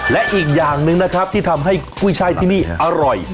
และอีกอย่างหนึ่งนะครับที่ทำให้กุ้ยช่ายที่นี่อร่อย